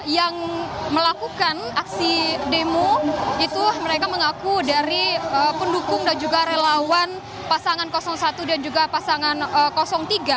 yang melakukan aksi demo itu mereka mengaku dari pendukung dan juga relawan pasangan satu dan juga pasangan tiga